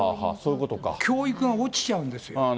教育が落ちちゃうんですよ。